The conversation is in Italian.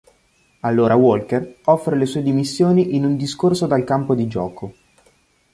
Allora Walker offre le sue dimissioni in un discorso dal campo di gioco.